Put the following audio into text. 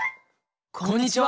こんにちは。